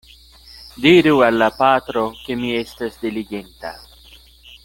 Diru al la patro, ke mi estas diligenta.